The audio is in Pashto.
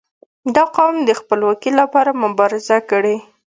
• دا قوم د خپلواکي لپاره مبارزه کړې.